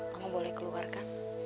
mama boleh keluarkan